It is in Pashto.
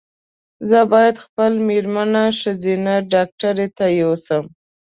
زه باید خپل مېرمن ښځېنه ډاکټري ته یو سم